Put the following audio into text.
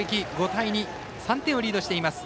５対２、３点をリードしています。